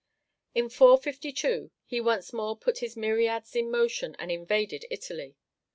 In 452 he once more put his myriads in motion and invaded Italy.